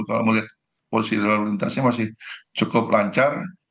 kalau melihat posisi lalu lintasnya masih cukup lancar